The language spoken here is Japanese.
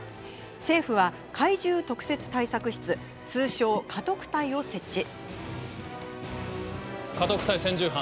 政府は、禍威獣特設対策室通称・禍特対を設置。